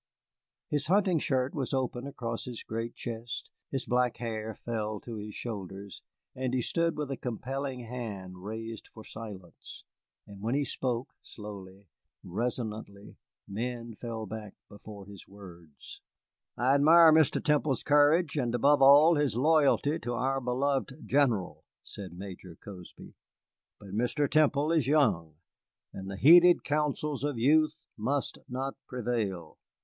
His hunting shirt was open across his great chest, his black hair fell to his shoulders, and he stood with a compelling hand raised for silence. And when he spoke, slowly, resonantly, men fell back before his words. "I admire Mr. Temple's courage, and above all his loyalty to our beloved General," said Major Cozby. "But Mr. Temple is young, and the heated counsels of youth must not prevail.